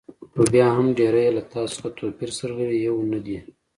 خو بیا هم ډېری یې له تاسو څخه توپیر سره لري، یو نه دي.